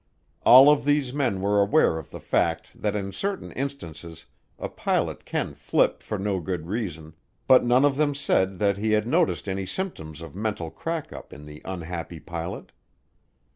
All of these men were aware of the fact that in certain instances a pilot can "flip" for no good reason, but none of them said that he had noticed any symptoms of mental crack up in the unhappy pilot.